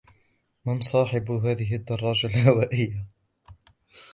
من صاحبُ هذه الدراجّة الهوائيّة؟